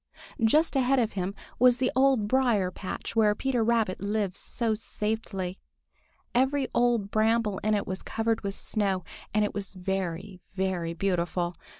Just ahead of him was the Old Briar patch where Peter Rabbit lives so safely. Every old bramble in it was covered with snow and it was very, very beautiful.